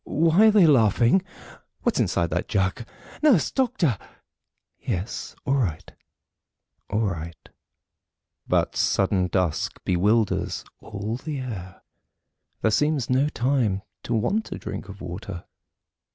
Why are they laughing? What's inside that jug? "Nurse! Doctor!" "Yes; all right, all right." But sudden dusk bewilders all the air There seems no time to want a drink of water.